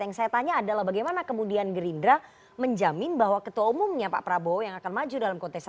yang saya tanya adalah bagaimana kemudian gerindra menjamin bahwa ketua umumnya pak prabowo yang akan maju dalam kontestasi